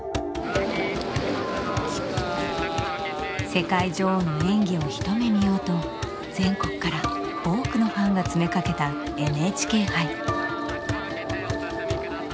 世界女王の演技を一目見ようと全国から多くのファンが詰めかけたＮＨＫ杯。